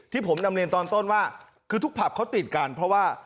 ที่ผมนำเรียนตอนต้นว่าคือทุกผับเขาติดกันเพราะว่า